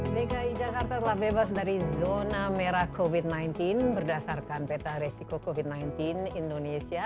dki jakarta telah bebas dari zona merah covid sembilan belas berdasarkan peta resiko covid sembilan belas indonesia